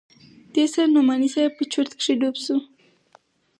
دې سره نعماني صاحب په چورت کښې ډوب سو.